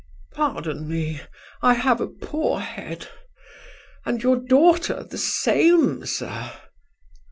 "Pardon me; I have a poor head. And your daughter the same, sir?"